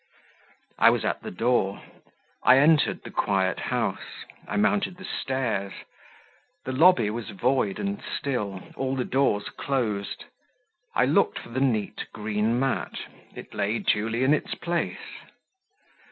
I was at the door; I entered the quiet house; I mounted the stairs; the lobby was void and still, all the doors closed; I looked for the neat green mat; it lay duly in its place.